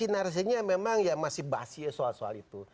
narasinya memang ya masih basi soal soal itu